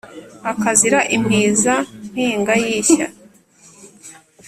akazira impiza mpinga y'ishya.